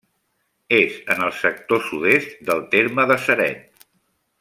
És en el sector sud-est del terme de Ceret.